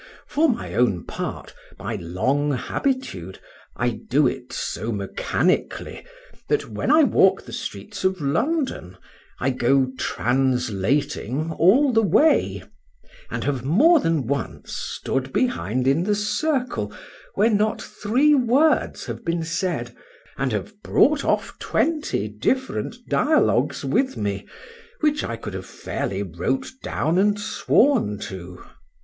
For my own part, by long habitude, I do it so mechanically, that, when I walk the streets of London, I go translating all the way; and have more than once stood behind in the circle, where not three words have been said, and have brought off twenty different dialogues with me, which I could have fairly wrote down and sworn to.